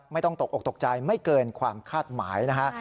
ไม่ต้องตกออกตกใจไม่เกินความคาดหมายนะฮะ